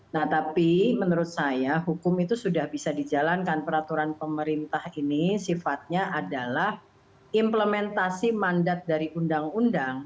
nah tapi menurut saya hukum itu sudah bisa dijalankan peraturan pemerintah ini sifatnya adalah implementasi mandat dari undang undang